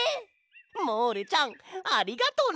モールちゃんありがとね！